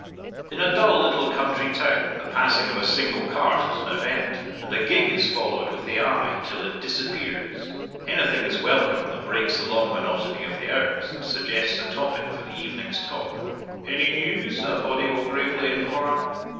In a dull little country town the passing of a single cart is an event, and a gig is followed with the eye till it disappears. Anything is welcome that breaks the long monotony of the hours and suggests a topic for the evening's talk. "Any news?" a body will gravely inquire.